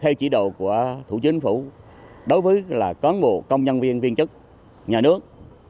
theo chỉ đồ của thủ chính phủ đối với là cán bộ công nhân viên viên chức nhà nước